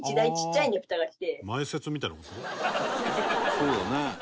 「そうだね」